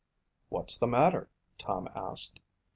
"What's the matter?" Tom asked.